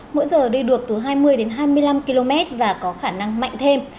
mỗi giờ đi được từ hai mươi đến hai mươi năm km và có khả năng mạnh thêm